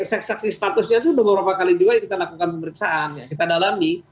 saksi saksi statusnya itu sudah beberapa kali juga kita lakukan pemeriksaan kita dalami